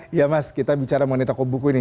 iya mas kita bicara mengenai toko buku ini